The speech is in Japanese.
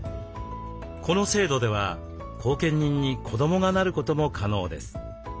この制度では後見人に子どもがなることも可能です。